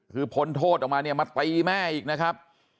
คือพ้นโทษออกมาเนี่ยมาตีแม่อีกนะครับ